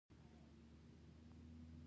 مڼې د وردګو ولایت نښان دی.